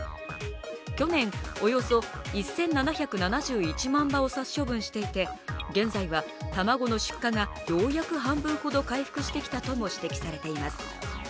去年、およそ１７７１万羽を殺処分していて、現在は卵の出荷がようやく半分ほど回復してきたとも指摘されています。